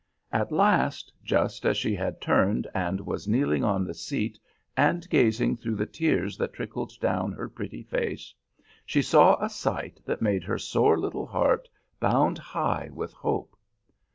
At last, just as she had turned and was kneeling on the seat and gazing through the tears that trickled down her pretty face, she saw a sight that made her sore little heart bound high with hope.